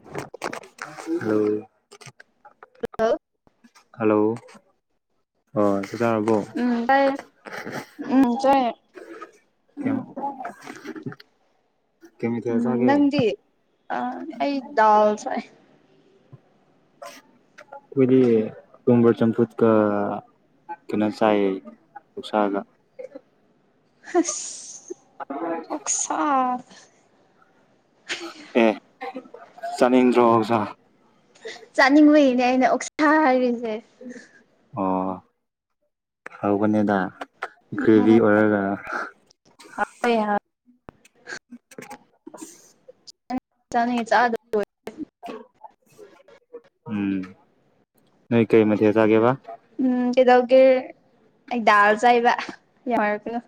ꯍ hello hello ꯍ ꯁꯤꯗꯔꯕꯣ ꯎꯝ ꯇꯥꯏꯌꯦ ꯎꯝ ꯆꯥꯏꯌꯦ ꯀꯩ ꯃꯊꯦꯜ ꯎꯝ ꯆꯥꯒꯦ ꯅꯪꯗꯤ ꯑꯩ ꯗꯥꯜꯁ ꯀꯣꯏꯗꯤ ꯗꯣꯡꯒꯔ ꯆꯝꯄꯨꯗ ꯀ ꯀꯩꯅꯣ ꯆꯥꯏꯌꯦ ꯁꯥꯜꯂ ꯍꯁ ꯑꯣꯛ ꯁꯥꯥ ꯑꯦ ꯆꯥꯅꯤꯡꯗ꯭ꯔꯣ ꯑꫭꯛꯁꯥ ꯆꯥꯅꯤꯡꯕꯩꯅꯦ ꯑꯩꯅ ꯑꯣꯛꯁꯥ ꯍꯥꯏꯔꯤꯁꯦ ꯑꯣ ꯍꯧꯕꯅꯦꯗ ꯒ꯭ꯔꯦꯚꯤ ꯑꯣꯏꯔꯒ ꯍ [unintelligible] ꯆꯥꯅꯤꯡꯉꯦ ꯆꯥꯗ ꯂꯣꯏ ꯎꯝ ꯅꫭꯏ ꯀꯩ ꯃꯊꯦꯜ ꯆꯥꯒꯦꯕ ꯎꯝ ꯀꯩꯗꯧꯒꯤꯔ ꯑꯩꯗꯥꯜ ꯆꯥꯏꯕ ꯌꯥꯝꯉꯔꯅ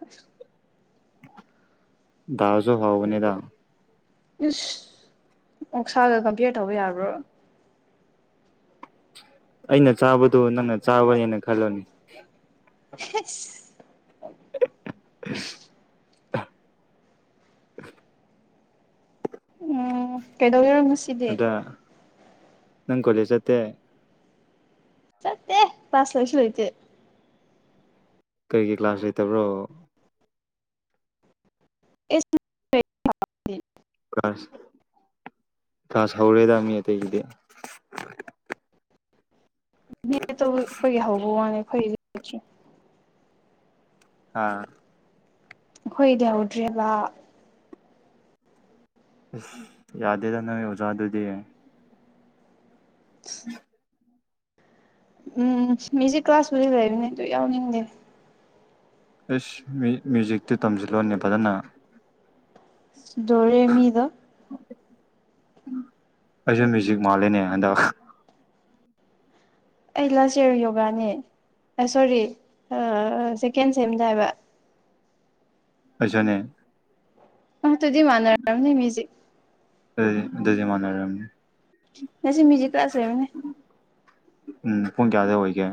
ꯗꯥꯜꯁꯨ ꯍꯥꯎꯕꯅꯦꯗꯥ ꯏꯁ ꯑꯣꯛꯁꯥꯒ ꯀꯝꯄꯤꯌꯔ ꯇꯧꯕ ꯌꯥꯕ꯭ꯔꯣ ꯑꯩꯅ ꯆꯥꯕꯗꯨ ꯅꯪꯅ ꯆꯥꯕꯅꯦꯅ ꯈꯜꯂꫭꯅꯦ [unintelligible] [unintelligible] ꯎꯝ ꯀꯩꯗꯧ ꯔꯤꯔꫭ ꯉꯁꯤ ꯑꯗ꯭ꯔ ꯅꯪ ꯀꯣꯂꯦꯖ ꯆꯠꯇꯦ ꯆꯗꯦ ꯀꯂꯥꯁ ꯂꯩꯁꯨ ꯂꯩꯇꯦ ꯀꯩꯒꯤꯩ ꯀ꯭ꯂꯥꯁ ꯂꯩꯇꯕ꯭ꯔꯣ ꯏꯁ [unintelligible] ꯀꯥꯁ ꯀꯥꯁ ꯍꯧꯔꯦꯗ ꯃꯤ ꯑꯇꯩꯒꯤꯗꯤ ꯃꯤ ꯑꯇꫭꯞꯄꯒꯤ ꯍꯧꯕ ꯋꯥꯅꯦ ꯑꯩꯈꯣꯏꯒꯤꯗꯤ ꯍꯧꯗꯔꯤ ꯑꯥ ꯑꯩꯈꯣꯏꯒꯤꯗꯤ ꯍꯧꯗꯔꯤꯕ ꯌꯥꯗꯦꯗ ꯅꫭꯏ ꯑꯣꯖꯥꯗꯨꯗꯤ [unintelligible] ꯎꯝ ꯃ꯭ꯌꯨꯏꯖꯤꯛ ꯀ꯭ꯂꯥꯁꯕꯨꯨꯗꯤ ꯂꯩꯕꯅꯦ ꯑꯗꯨ ꯌꯥꯎꯅꯤꯡꯗꯦ ꯑꯦꯁ ꯃ꯭ꯌꯨꯏꯖꯤꯛ ꯃꯌꯨ꯭ꯏꯖꯤꯛꯇꯨ ꯇꯝꯁꯤꯜꯂꯣꯅꯦ ꯐꯖꯅ ꯗꯣꯔꯦꯃꯤꯗꯣ ꯑꯩꯁꯨ ꯃ꯭ꯌꯨꯏꯖꯤꯛ ꯃꯥꯜꯂꯤꯅꯦ ꯍꯟꯗꯛ ꯑꯩ ꯂꯧꯁꯦ ꯌꯣꯒꯥꯅꯦ ꯑ ꯁꯣꯔꯤ ꯁꯦꯀꯦꯟ ꯁꯦꯝꯗ ꯍꯥꯏꯕ ꯑꯩꯩꯁꯨꯅꯦ ꯑ ꯑꯗꯨꯗꯤ ꯃꯥꯟꯅꯔꯝꯅꯤ ꯃꯨꯏꯖꯤꯛ ꯑꯗꯨ ꯑꯗꯨꯗꯤ ꯃꯥꯅꯔꯝꯅꯤ ꯉꯁꯤ ꯃꯨꯏꯖꯤꯛ ꯀꯂꯥꯁ ꯂꯩꯕꯅꯦ ꯎꯝ ꯄꯨꯡ ꯀꯌꯥꯗ ꯑꯣꯏꯒꯦ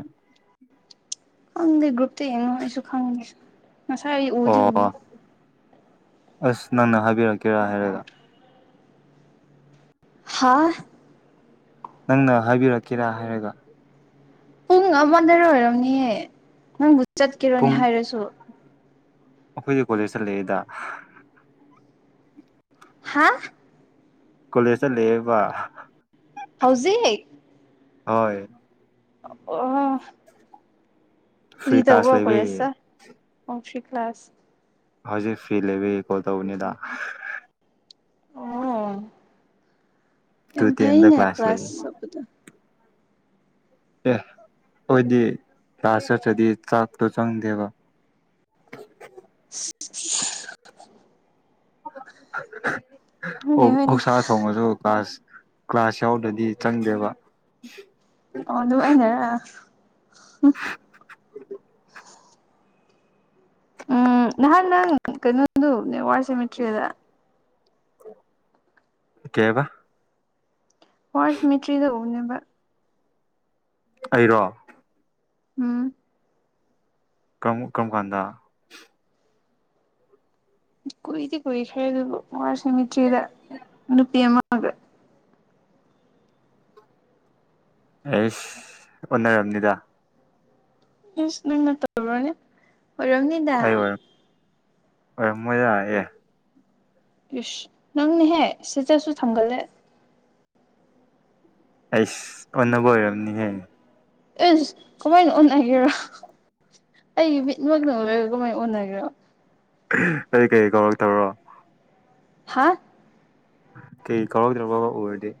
ꯈꯪꯗꯦ ꯒ꯭ꯔꯨꯞꯇ ꯌꯦꯡꯉꯣ ꯑꯩꯁꯨ ꯈꯪꯗꯦ ꯉꯁꯥꯏ ꯑꯩ ꯎꯗꯤ ꯑꯣ ꯎꯕꯅꯤ ꯑꯁ ꯅꯪꯅ ꯍꯥꯏꯕꯤꯔꯛꯀꯦꯔꯥ ꯍꯥꯏꯔꯒ ꯍꯥꯥ ꯅꯪꯅ ꯍꯥꯏꯕꯤꯔꯛꯀꯦꯔꯥ ꯍꯥꯏꯔꯒ ꯄꯨꯡ ꯑꯃꯃꯗ ꯑꯣꯏꯔꯝꯅꯤꯌꯦ ꯅꯪꯕꯨ ꯆꯠꯀꯦꯔꯣꯅꯦ ꯄꯨꯡ ꯍꯥꯏꯔꯁꯨ ꯑꯩꯈꯣꯏꯗꯤ ꯀꯣꯂꯦꯁꯇ ꯂꯩꯌꯦꯗ ꯍꯥ ꯀꯣꯂꯦꯁꯇ ꯂꯩꯌꯦꯕ ꯍꯧꯖꯤꯛ ꯍꯣꯏ ꯑ‌ꯣ ꯐ꯭ꯔꯤ ꯀ꯭ꯔꯤ ꯀ꯭ꯂꯥꯁ ꯇꯧꯕ ꯂꯩꯕꯩ ꯀꯣꯂꯦꯁꯇ ꯑꯣ ꯐ꯭ꯔꯤ ꯀ꯭ꯂꯥꯁ ꯍꯧꯖꯤꯛ ꯐꯤ ꯂꯩꯕꯒꯤ ꯀꯣꯜ ꯇꯧꯕꯅꯤꯗ ꯑꯣ ꯇꯨ ꯌꯥꯝ ꯇꯦꯟꯗ ꯐꯥꯏꯅꯦ ꯂꯩ ꯀ꯭ꯂꯥꯁ ꯁꯞꯄꯨꯗꯤ ꯑꯦ ꯑꯩꯈꫭꯏꯗꯤ ꯂꯥꯁ ꯆꯠꯇꯔꯗꯤ ꯆꯥꯛꯇꯣ ꯆꯪꯗꯦꯕ [unintelligible] ꯍꯣꯏꯅꯦ ꯑꯣ ꯍꯣꯏꯅꯦ ꯑꯣ ꯁꯥꯥ ꯊꯣꯡꯉꯁꯨ ꯀ꯭ꯂꯥꯁ ꯀ꯭ꯂꯥꯁ ꯌꯥꯎꯗ꯭ꯔꯗꯤ ꯆꯪꯗꯦꯕ ꯑꯣ ꯑꯗꯨꯅꯨꯡꯃꯥꯏꯅꯔ [unintelligible] ꯎꯝ ꯅꯍꯥꯟ ꯅꯪ ꯀꯩꯅꯣꯗꯨꯅꯦ ꯋꯥꯔ ꯁꯦꯃꯤꯇ꯭ꯔꯤꯗ ꯑꯣ ꯀꯦꯕ ꯍꯔꯁ ꯃꯦꯇ꯭ꯔꯤꯗ ꯎꯅꯦꯕ ꯑꯩꯔꯣ ꯎꯝ ꯀꯝ ꯀꯔꯝ ꯀꯥꯟꯗ ꯀꯨꯏꯗꯤ ꯀꯨꯏꯈ꯭ꯔꯦ ꯑꯗꯨꯕꯨ ꯋꯥꯔ ꯁꯦꯃꯤꯇ꯭ꯔꯤꯗ ꯅꯨꯄꯤ ꯑꯃꯒ ꯑꯩꯁ ꯑꯣꯟꯅꯔꯕꯅꯤꯗ ꯏꯁ ꯅꯪꯅ ꯇꯧꯨꯔꯣꯅꯦ ꯑꯣꯏꯔꯝꯅꯤ ꯑꯩ ꯑꯣꯏꯔꯝ ꯑꯣꯏꯔꯝ ꯃꯣꯏ ꯂꯥꯛꯑꯦ ꯌꯨꯁ ꯅꯪꯅꯦꯍꯦ ꯁꯤꯗꯠꯁꯨ ꯊꯝꯒꯜꯂꯦ ꯑꯩꯁ ꯑꯣꯟꯅꯕ ꯑꯣꯏꯔꯔꯕꯅꯤꯍꯦ ꯑꯦ ꯀꯃꯥꯏꯅ ꯑꯣꯟꯅꯒꯦꯔꯣ ꯑꯩꯒꯤ ꯃꯤꯠꯃꯛꯇꯪ ꯂꯣꯏꯔꯒ ꯀꯃꯥꯏꯅ ꯑꯣꯟꯅꯒꯦꯔꯣ ꯀꯔꯤ ꯀꯔꯤ ꯀꯧꯔꯛꯇꯕ꯭ꯔꯣ ꯍꯥ ꯀꯩ ꯀꯥꯎꯔꯗ꯭ꯔꯕ ꯑꯣꯏꯔꯗꯤ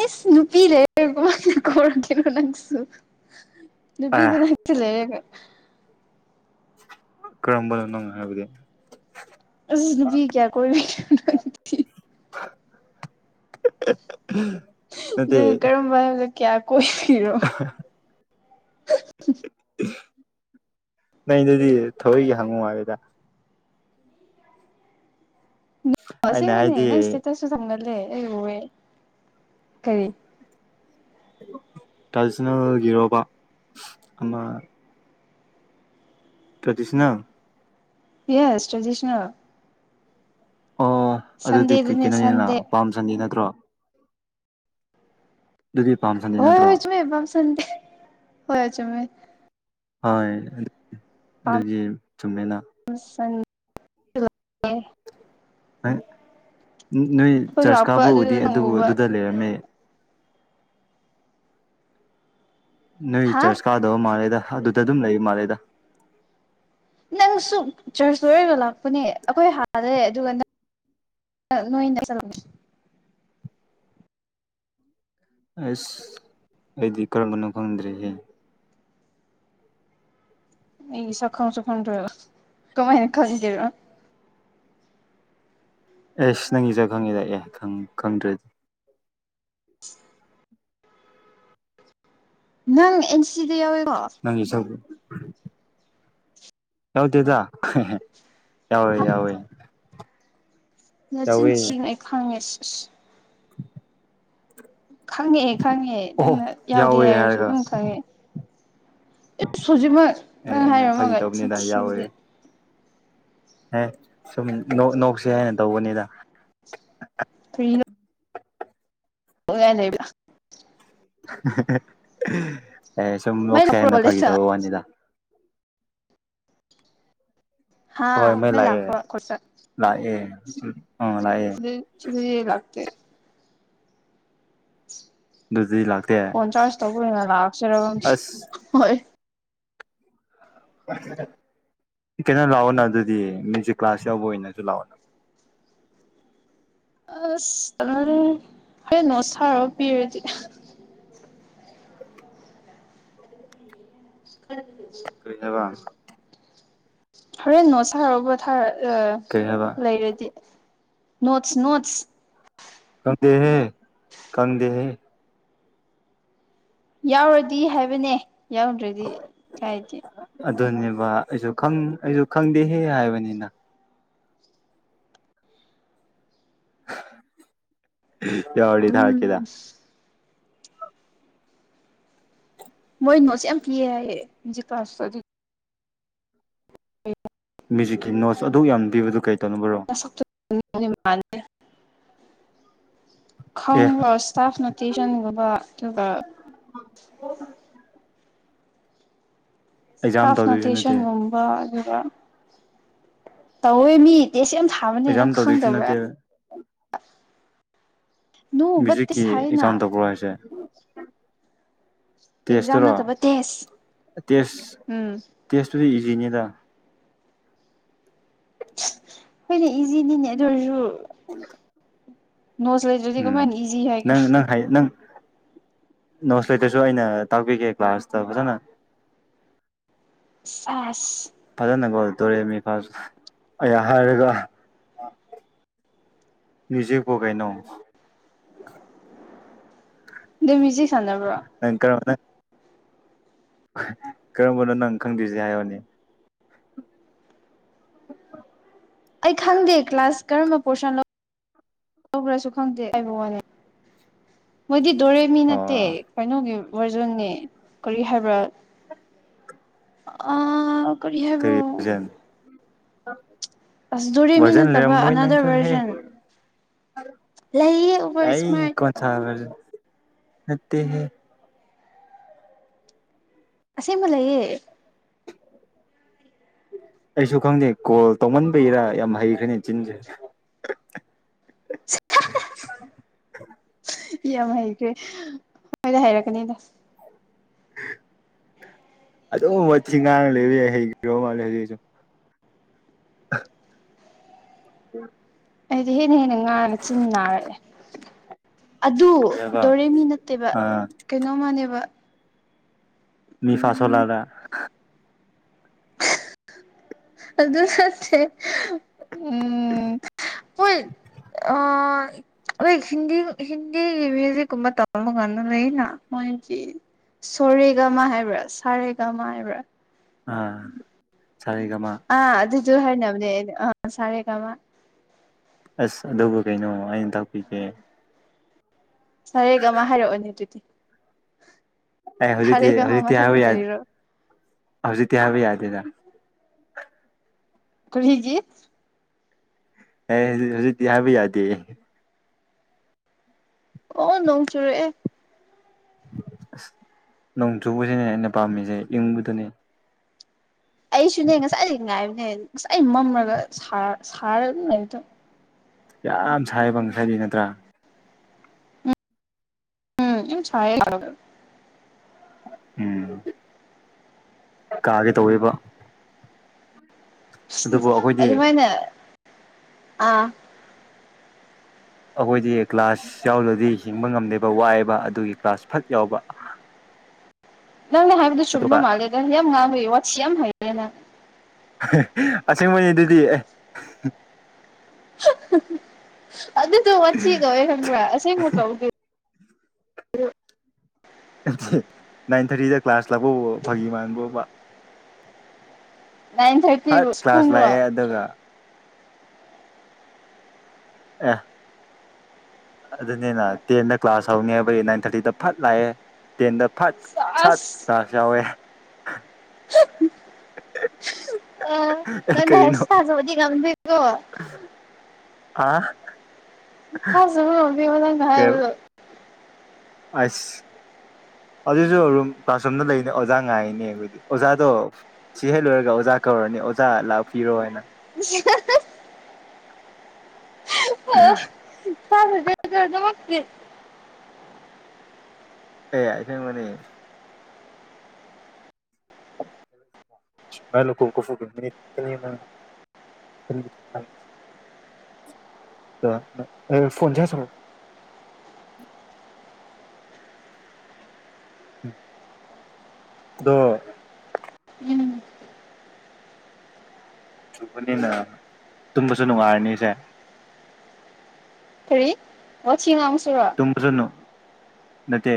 ꯑꯦ ꯅꯨꯄꯤ ꯂꯩꯔ ꯀꯩꯅꯣ ꯅꯪꯁꯨ ꯑꯦ ꯅꯨꯄꯤꯗ ꯅ ꯂꯩ ꯀꯔꯝꯕ ꯂꯅꯣ ꯉꯕꯗꯤ ꯅ ꯐ ꯀꯌꯥ ꯀ ꯎꯝ ꯑꯗꯨ ꯀꯔꯝꯕ ꯍꯥꯏꯕꯗ ꯀꯌꯥ ꯀꯣꯏꯕꯤꯔꯣ ꯍ ꯅ ꯑꯗꯨꯗꯤ ꯊꯣꯔꯏꯒꯤ ꯍꯪꯉꯨ ꯍꯥꯏꯕꯦꯗ ꯑꯩꯅ ꯑꯁꯦꯡꯕꯅꯦ ꯍꯥꯏꯗꯤ ꯅꯪ ꯏꯁꯇꯦꯇꯁꯁꯨ ꯊꯝꯒꯜꯂꯦ ꯑꯩꯔꯨꯋꯦ ꯀꯔꯤ ꯇ꯭ꯔꯥꯗꯤꯁꯅꯦꯜꯒꯤꯔꯣꯕ ꯑꯃ ꯇ꯭ꯔꯗꯤꯁꯅꯪ ꯌꯦꯁ ꯇ꯭ꯔꯦꯗꯤꯁꯅ ꯑꯣ ꯑꯗꯨꯗꯤ ꯁꯟꯗꯦꯗꯅꯦ ꯀꯩꯅꯣꯅꯤꯅ ꯁꯟꯗꯦ ꯄꯥꯝꯁꯟꯗꯤ ꯅꯠꯇ꯭ꯔꯣ ꯑꯗꯨꯗꯤ ꯄꯥꯝꯁꯅꯤ ꯍꯣꯏ ꯅꯠꯇ꯭ꯔꯣ ꯍꯣꯏ ꯆꯨꯝꯃꯦ ꯄꯥꯝ ꯁꯟꯗꯦ ꯍ ꯆ ꯃ ꯍꯣꯏ ꯑꯗꯨꯒꯤ ꯆꯨꯝꯃꯦꯅ ꯎ [unintelligible] ꯅꯣꯏ ꯂꯥꯛꯄ ꯆꯔꯆꯀꯥꯕꯨ ꯎꯗꯦ ꯑꯗꯨꯗ ꯅꯪ ꯑꯗꯨꯕꯨ ꯎꯕ ꯑꯗꯨꯗ ꯂꯩꯔꯝꯃꯦ ꯅꯣꯏ ꯍꯥ ꯆꯔꯆ ꯀꯥꯗꯕ ꯃꯥꯜꯂꯦꯗ ꯑꯗꯨꯗ ꯑꯗꯨꯝ ꯂꯩ ꯃꯥꯜꯂꯦꯗ ꯅꯪ ꯁ ꯆꯔꯆ ꯂꯣꯏꯔꯒ ꯂꯥꯛꯄꯅꯦ ꯑꯩꯈꯣꯏ ꯍꯥꯟꯗꯩ ꯑꯗꯨꯒ ꯅꯪ ꯅꯣꯏꯅꯗ ꯆꯠꯂꯁꯤ ꯑꯁ ꯑꯩꯗꯤ ꯀꯔꯝꯝꯕꯅꯣ ꯈꯪꯗ꯭ꯔꯦꯍꯦ ꯑꯩ ꯁꯈꯣꯡ ꯁꯈꯣꯡꯗꯨ ꯀꯃꯥꯏꯅ ꯈꯟꯗꯦꯔꯣ ꯑꯦꯁ ꯅꯪꯒꯤꯁꯨ ꯈꯪꯉꯦꯔꯥꯛ ꯑꯦ ꯈꯪꯗ꯭ꯔꯗꯤ ꯅꯪ ꯑꯦꯟ ꯁꯤꯗ ꯌꯥꯎꯋꯦꯀꯣ [unintelligible] ꯌꯥꯎꯗꯦꯗ ꯌꯥꯎꯋꯦ ꯍꯥ ꯌꯥꯎꯋꯦ ꯅꯆꯤꯟ ꯌꯥꯎꯋꯦ ꯊꯤꯅꯨ ꯑꯩ ꯈꯪꯉꯦ ꯏꯁ ꯏꯁ ꯈꯪꯉꯦ ꯈꯪꯉꯦ ꯑꯣꯍꯣ ꯅꯪꯅ ꯌꯥꯎꯗꯦ ꯌꯥꯎꯋꯦ ꯍꯥꯏꯔꯁꯨ ꯍꯥꯏꯔꯒ ꯑꯗꯨꯝ ꯈꯪꯉꯦ ꯍꯧꯖꯤꯛꯃꯛ ꯑꯦ ꯅꯪ ꯑꯩꯅ ꯐꯥꯒꯤ ꯍꯥꯏꯔꯝꯃꯒ ꯆꯤꯟ ꯇꯧꯕꯅꯤꯗ ꯊꯤꯕꯗꯤ ꯌꯥꯎꯋꯦ ꯑꯦ ꯁꯨꯝ ꯅꯣꯛꯁꯤ ꯍꯥꯏꯅ ꯇꯧꯕꯅꯤꯗ ꯐ꯭ꯔꯤ [unintelligible] ꯑꯦ ꯁꯨꯝ ꯃꯩ ꯅꯣꯛꯁꯤ ꯂꯥꯛꯄ꯭ꯔꯣ ꯍꯥꯏꯅ ꯐꯥꯒꯤ ꯀꯣꯂꯦꯖꯇ ꯇꯧꯕꯩ ꯋꯥꯅꯤꯗ ꯍꯥ ꯍꯣꯏ ꯃꯩ ꯂꯥꯛꯑꯦ ꯂꯥꯛꯄ꯭ꯔꯣ ꯀꯣꯂꯦꯖꯇ ꯂꯥꯛꯑꯦ ꯎꯝ ꯂꯥꯛꯑꯦ ꯁꯤꯗ ꯁꯤꯗꯗꯤ ꯂꯥꯛꯇꯦ [unintelligible] ꯑꯗꯨꯗꯤ ꯂꯥꯛꯇꯦ ꯆꯥꯔꯁ ꯇꯧꯕ ꯑꯣꯏꯅ ꯂꯥꯛꯁꯦꯔ ꯈꯪꯗꯦ ꯑꯁ ꯍꯣꯏ ꯀꯩꯅꯣ ꯂꯥꯛꯑꯣꯅ ꯑꯗꯨꯗꯤ ꯃ꯭ꯌꯨꯖꯤꯛ ꯀ꯭ꯂꯥꯁ ꯌꯥꯎꯕ ꯑꯣꯏꯅꯁꯨ ꯂꯥꯛꯑꯣ ꯑꯁ [unintelligible] ꯁꯥꯔꯒ ꯄꯤꯔꯗꯤ [unintelligible] [unintelligible] ꯍꯣꯔꯦꯟ ꯅꯣ ꯁꯥꯔꯕ ꯊꯥꯔ ꯀꯔꯤ ꯍꯥꯏꯕ ꯂꯩꯔꯗꯤ ꯅꯣꯠꯁ ꯅꯣꯠꯁ ꯇꯧꯗꯦꯍꯦ ꯀꯪꯗꯦꯍꯦ ꯌꯥꯎꯔꯗꯤ ꯍꯥꯏꯕꯅꯦ ꯌꯥꯎꯗ꯭ꯔꯗꯤ ꯀꯥꯏꯗꯦ ꯑꯗꯨꯅꯦꯕ ꯑꯩꯁꯨ ꯈꯪ ꯑꯩꯁꯨ ꯈꯪꯗꯦꯍꯦ ꯍꯥꯏꯕꯅꯤꯅ ꯌꯥꯎꯔꯗꯤ ꯊꯥꯔꯛꯀꯦꯗ ꯎꯝ ꯃꯣꯏ ꯅꯣꯠꯁ ꯌꯥꯝ ꯄꯤ ꯍꯥꯏꯌꯦ ꯃ꯭ꯌꯨꯖꯤꯛ ꯀ꯭ꯂꯥꯁ ꯑꯗꯨ ꯃ꯭ꯌꯨꯖꯤꯛꯀꯤ ꯅꯣꯠꯁ ꯑꯗꯨꯛ ꯌꯥꯝꯅ ꯄꯤꯕꯗꯨ ꯀꯩ ꯇꯧꯅꯕꯔꯣ [unintelligible] [unintelligible] ꯑꯦ ꯁꯟꯒꯨꯝꯕ ꯑꯗꯨꯒ [unintelligible] ꯑꯦꯛꯖꯥꯝ ꯁ꯭ꯇꯥꯞ ꯇꯧꯗꯣꯏꯁꯨ ꯅꯠꯇꯦ ꯅꯣꯇꯦꯁꯟꯒꯨꯝꯕ ꯑꯗꯨꯒꯨꯝꯕ ꯇꯧꯋꯦꯃꯤ ꯇꯦꯁ ꯌꯥꯝ ꯊꯥꯕꯅꯦ ꯑꯦꯛꯖꯥꯝ ꯅꯪ ꯇꯧꯗꯣꯏꯁꯨ ꯈꯪꯗꯕ꯭ꯔꯥ ꯅꯠꯇꯦ ꯃ꯭ꯌꯨꯖꯤꯛꯀꯤ [unintelligible] [unintelligible] ꯑꯦꯛꯖꯥꯝ ꯇꯦꯁꯇꯨꯔꯣ ꯅꯠꯇꯕ ꯇꯦꯁ ꯇꯦꯁ ꯎꯝ ꯇꯦꯁꯇꯨꯗꯤ ꯏꯖꯤꯅꯤꯗ ꯍꯣꯏꯅꯦ ꯏꯖꯤꯅꯤꯅꯦ ꯑꯗꯨ ꯑꯣꯏꯔꯁꯨꯣ ꯅꯣꯠꯁ ꯂꯩꯇ꯭ꯔꯗꯤ ꯎꯝ ꯀꯃꯥꯏꯅ ꯏꯖꯤ ꯍꯥꯏꯒꯦꯔꯣ ꯅꯪꯅꯪ ꯍꯥꯏ ꯅꯪ ꯅꯣꯠꯁ ꯂꯩꯇ꯭ꯔꯁꯨ ꯑꯩꯅ ꯇꯥꯛꯄꯤꯒꯦ ꯀ꯭ꯂꯥꯁꯇ ꯐꯖꯅ ꯁꯦꯁ ꯐꯖꯅꯒꯣ ꯗꯣꯔꯦꯃꯤ ꯑꯩ ꯍꯥꯏꯔꯒ ꯃ꯭ꯌꯨꯖꯤꯛꯄꯨ ꯀꯩꯅꯣ ꯗꯨꯃ꯭ꯌꯨꯖꯤꯛ ꯁꯥꯟꯅꯕ꯭ꯔꯣ [unintelligible] ꯀꯔꯝꯕꯅꯣ ꯅꯪ ꯈꯪꯗ꯭ꯔꯤꯁꯦ ꯍꯥꯏꯌꯣꯅꯦ ꯑꯩ ꯈꯪꯗꯦ ꯀ꯭ꯂꯥꯁ ꯀꯔꯝꯕ ꯄꯣꯔꯁꯟ ꯂꯧꯈ꯭ꯔꯁꯨ ꯈꯪꯗꯦ ꯋꯥꯅꯤ ꯃꯣꯏꯗꯤ ꯗꯣꯔꯦꯃꯤ ꯑꯣ ꯅꯠꯇꯦ ꯀꯩꯅꯣꯒꯤ ꯚꯔꯖꯟꯅꯤ ꯀꯔꯤ ꯍꯥꯏꯕ꯭ꯔꯥ ꯑ [unintelligible] ꯑꯁ ꯗꯣꯔꯦꯃꯤ ꯚꯔꯖꯟ ꯅꯠꯇꯕ ꯂꯩꯔꯝꯃꯣꯏ ꯑꯅꯥꯗꯔ ꯅꯪꯁꯨꯍꯦ ꯚꯔꯖꯟ ꯂꯩꯌꯦ ꯑꯣꯚꯔ ꯏꯁꯃꯥꯔꯠ [unintelligible] [unintelligible] ꯑꯁꯦꯡꯕ ꯂꯩꯌꯦ ꯑꯩꯁꯨ ꯈꯪꯗꯦ ꯀꯣꯜ ꯇꯧꯃꯟꯕꯩꯔꯥ ꯌꯥꯝ ꯍꯩꯈ꯭ꯔꯦꯅꯦ ꯆꯤꯟꯁꯦ ꯌꯥꯝ ꯍꯩꯈ꯭ꯔꯦ ꯃꯣꯏꯗ [unintelligible] ꯍꯩꯔꯛꯀꯅꯤꯗ ꯑꯗꯨꯝ ꯋꯥꯊꯤ ꯉꯥꯡ ꯂꯩꯔꯦ [unintelligible] ꯌꯥꯏ ꯍꯩꯈ꯭ꯔꯥꯃꯥꯜꯂꯦ ꯍꯧꯖꯤꯛꯁꯨ [unintelligible] ꯎꯝ [unintelligible] ꯑꯩꯗꯤ ꯍꯦꯟꯅ ꯍ‌ꯦꯟꯅ ꯉꯥꯡ ꯆꯤꯟ ꯅꯥꯔꯛꯑ‌ꯦ ꯑꯗꯨ ꯀꯩ ꯍꯥꯏꯕ ꯗꯣꯔꯦꯃꯤ ꯅꯠꯇꯦꯕ ꯑꯥ ꯀꯩꯅꯣꯝꯃꯥꯟꯅꯦꯕ ꯃꯤ ꯐꯥꯁꯣ ꯂꯥꯂꯥ ꯑꯗꯨ ꯅꯠꯇ‌ꯦ ꯎꯝ [unintelligible] ꯑꯥ [unintelligible] ꯑꯣꯏ ꯍꯤꯟ ꯍꯤꯟꯗꯤ ꯃ꯭ꯌꯨꯖꯤꯛꯀꯨꯝꯕ ꯇꯝꯕꯀꯥꯟ ꯂꯩꯅ ꯃꯣꯏꯖꯤ [unintelligible] ꯁꯣꯔꯦꯒꯝꯃ ꯍꯥꯏꯕ꯭ꯔꯥ ꯁꯥꯔꯦꯒꯥꯝꯃ ꯍꯥꯏꯕ꯭ꯔꯥ ꯑꯥ ꯁꯥꯔꯦꯒꯃꯥ ꯑ ꯑꯗꯨꯗꯨ ꯍꯥꯏꯅꯕꯅꯦ ꯑ ꯁꯔꯦꯒꯝꯃ ꯑꯁ ꯑꯗꯨꯕꯨ ꯀꯩꯅꯣ ꯑꯩꯅ ꯇꯥꯛꯄꯤꯕꯒ‌ ꯁꯥꯔꯦꯒꯥꯝꯃ ꯍꯥꯏꯔꯛꯑꯣꯅꯦ ꯑꯗꯨꯗꯤ ꯑ‌ꯦ ꯍꯧꯖꯤꯛꯇꯤ ꯁꯥꯔꯦꯒꯃꯥ ꯍꯧꯖꯤꯛꯇꯤ ꯃꯊꯛꯇ ꯍꯥꯏꯕ ꯌꯥꯗꯦ ꯀꯔꯤꯔꯣ ꯍꯧꯖꯤꯛꯇꯤ ꯍꯥꯏꯕ ꯌꯥꯗꯦꯗ ꯀꯔꯤꯒꯤ ꯑ‌ꯦ ꯍꯧꯖꯤꯛ ꯍꯧꯖꯤꯛꯇꯤ ꯍꯥꯏꯕ ꯌꯥꯗꯦ ꯑꯣ ꯅꯣꯡ ꯆꯨꯔꯛꯑꯦ ꯑꯁ ꯅꯣꯡ ꯆꯨꯕꯁꯤꯅꯦ ꯑꯩꯅ ꯄꯥꯝꯃꯤꯁꯦ ꯏꯪꯕꯗꯨꯅꯦ ꯑꯩꯁꯨꯅꯦ ꯉꯁꯥꯏꯗꯒꯤ ꯉꯥꯏꯕꯅꯦ ꯉꯁꯥꯏ ꯃꯝꯔꯒ ꯁꯥꯔ ꯑꯗꯨꯝ ꯂꯩꯕꯗꯣ ꯌꯥꯝ ꯁꯥꯏꯕ ꯉꯁꯥꯏꯗꯩ ꯅꯠꯇ꯭ꯔꯥ ꯎꯝ ꯎꯝ ꯁꯥꯢꯌꯦ [unintelligible] ꯎꯝ ꯀꯥꯒꯦ ꯇꯧꯋꯦꯕ ꯑꯗꯨꯕꯨ ꯑꯩꯈꯣꯏꯗꯤ ꯑꯗꯨꯃꯥꯏꯅ ꯑꯥ ꯑꯩꯈꯣꯏꯗꯤ ꯀ꯭ꯂꯥꯁ ꯌꯥꯎꯗꯔꯗꯤ ꯍꯤꯡꯕ ꯉꯝꯗꯦꯕ ꯋꯥꯏꯑꯦꯕ ꯑꯗꯨꯒꯤ ꯀ꯭ꯂꯥꯁ ꯐꯠ ꯌꯥꯎꯕ ꯅꯪꯅ ꯍꯥꯏꯕꯗꯨ ꯆꯨꯝꯕ ꯑꯗꯨꯒ ꯃꯥꯜꯂꯦ ꯅꯪ ꯌꯥꯝ ꯉꯥꯡꯕꯒꯤ ꯋꯥꯠꯊꯤ ꯌꯥꯝ ꯍꯩꯔꯦ ꯅꯪ ꯑꯁꯦꯡꯕꯅꯤ ꯑꯗꯨꯗꯤ ꯑꯦ ꯑꯗꯨꯗꯣ ꯋꯥꯊꯤ ꯀꯧꯋꯦ ꯈꯪꯕ꯭ꯔꯥ ꯑꯁꯦꯡꯕ ꯀꯧꯗꯦ ꯅꯥꯏꯟ ꯊꯥꯔꯤꯗ ꯀ꯭ꯂꯥꯁ ꯂꯥꯛꯄꯕꯨ ꯐꯥꯒꯤ ꯃꯥꯟꯕ꯭ꯔꯣꯕ ꯅꯥꯏꯟ ꯊꯥꯔꯇꯤꯕꯨ ꯐꯠ ꯀ꯭ꯂꯥꯁ ꯄꯨꯡꯂꯣ ꯂꯥꯛꯑꯦ ꯑꯗꯨꯒ ꯑ‌ꯦ ꯑꯗꯨꯅꯤꯅ ꯇꯦꯟꯗ ꯀ꯭ꯂꯥꯁ ꯍꯧꯅꯤ ꯍꯥꯏꯕꯗꯤ ꯅꯥꯏꯟ ꯊꯥꯔꯇꯤꯗ ꯐꯠ ꯂꯥꯛꯑꯦ ꯇꯦꯟꯗ ꯐꯠ ꯁꯠ ꯀ꯭ꯂꯥꯁ ꯌꯥꯎꯑꯦ ꯑ ꯑꯦ ꯅꯪꯅ ꯀꯔꯤꯅꯣ ꯍꯥꯢꯕꯁꯤ ꯊꯥꯖꯕꯗꯤ ꯉꯝꯗꯦꯀꯣ ꯑꯥ ꯊꯥꯖꯕ ꯉꯝꯗꯦꯕ ꯅꯪꯅ ꯍꯥꯢꯕꯗꯨ ꯑꯩꯁ ꯑꯗꯨꯁꯨ ꯔꯨꯝ ꯀ꯭ꯂꯥꯁꯔꯨꯝꯗ ꯂꯩꯔꯤꯅꯤ ꯑꯣꯖꯥ ꯉꯥꯏꯔꯤꯅꯦ ꯑꯩꯈꯣꯏꯗꯤ ꯑꯣꯖꯥꯗꯣ ꯁꯤ ꯍꯦꯛ ꯂꯣꯏꯔꯒ ꯑꯣꯖꯥ ꯀꯧꯔꯅꯤ ꯑꯣꯖꯥ ꯂꯥꯛꯄꯤꯔꯣ ꯍꯥꯏꯅ [unintelligible] [unintelligible] ꯐꯕ [unintelligible] ꯖꯔꯗꯕꯦ [unintelligible] ꯑꯦ ꯑꯁꯦꯡꯕꯅꯤ ꯃꯣ ꯀ ꯐ [unintelligible] ꯐꯣꯟꯣꯟ ꯆ ꯁ [unintelligible] ꯑꯗꫭ ꯎꯝ ꯆꯨꯕꯅꯤꯅ ꯇꯨꯝꯕꯁꯨ ꯅꯨꯡꯉꯥꯏꯔꯅꯤꯁꯦ ꯐꯔꯤ ꯑꯣ ꯁꯤ ꯉꯥꯡꯁꯨꯨꯔ ꯣ ꯅꯠꯇꯦ